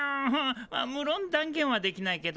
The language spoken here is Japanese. あっむろん断言はできないけどね。